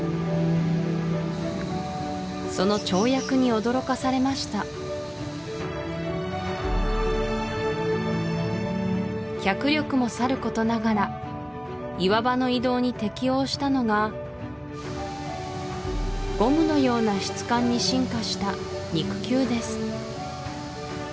その跳躍に驚かされました脚力もさることながら岩場の移動に適応したのがゴムのような質感に進化した肉球です